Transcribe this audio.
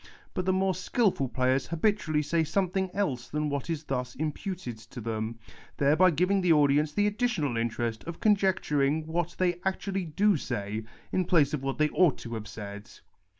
But the more skilful 10 AN ARISTOTELIAN FRAGMENT players habitually say somethin<,' else than what is thus imputed to them, thereby giving the audience the additional interest of conjeeturing what they aetually do say in place of what they ought to have said.